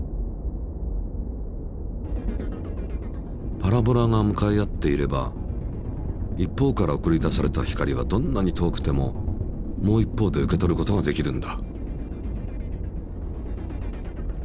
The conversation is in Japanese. パラボラが向かい合っていれば一方から送り出された光はどんなに遠くてももう一方で受け取ることが出来るんだ。